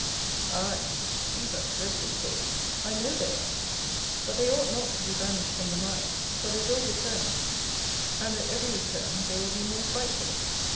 Aye! these are dreadful thoughts! I know they are: but, they ought not to be banished from the mind; for they will return, and, at every return, they will be more frightful.